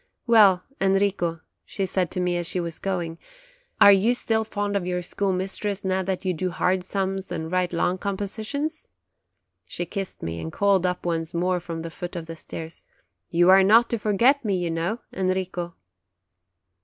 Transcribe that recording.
'Well, Enrico," she said to me as she was going, "are you still fond of your schoolmistress, now that you do hard sums and write long compositions ?" She kissed me, and called up once more from the foot of the stairs : "You are not to forget me, you know, Enrico